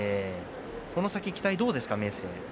この先の期待はどうですか。